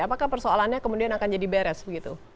apakah persoalannya kemudian akan jadi beres begitu